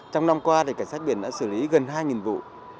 trong năm qua cảnh sát biển đã xử lý gần hai vụ